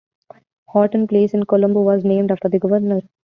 Horton Place in Colombo was named after the Governor.